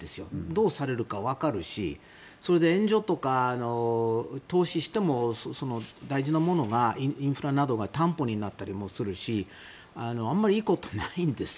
どうされるかわかるしそれで、援助とか投資しても大事なものがインフラなどが担保になったりもするしあまりいいことがないんです。